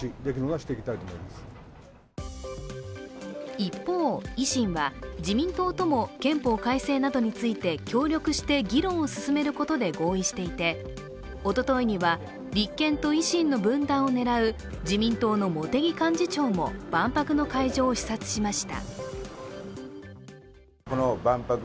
一方、維新は自民党とも憲法改正などについて協力して議論を進めることで合意していておとといには立憲と維新の分断を狙う自民党の茂木幹事長も万博の会場を視察しました。